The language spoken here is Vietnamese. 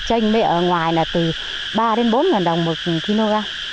tranh mẹ ở ngoài là từ ba bốn ngàn đồng một kg